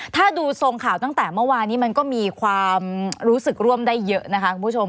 ถ้าดูทรงข่าวตั้งแต่เมื่อวานนี้มันก็มีความรู้สึกร่วมได้เยอะนะคะคุณผู้ชม